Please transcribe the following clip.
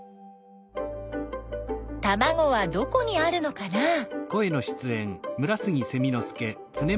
たまごはどこにあるのかなあ。